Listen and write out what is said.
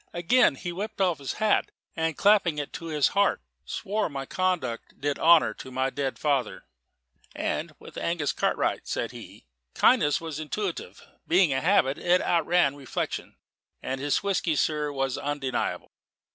Again he whipped off his hat, and clapping it to his heart, swore my conduct did honour to my dead father; "and with Angus Cartwright," said he, "kindness was intuitive. Being a habit, it outran reflection; and his whisky, sir, was undeniable.